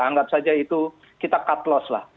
anggap saja itu kita cut loss lah